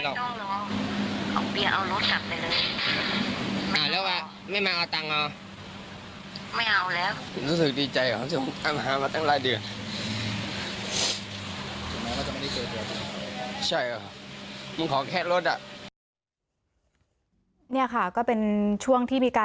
เดี๋ยวเราให้วาเคลียร์เสร็จก่อนแล้วเดี๋ยววาจะเอาแม่